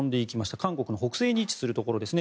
韓国の北西に位置するところですね。